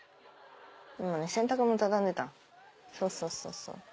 今ね洗濯物畳んでたそうそう。